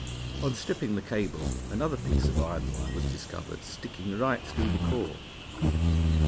On stripping the cable another piece of iron wire was discovered sticking right through the core.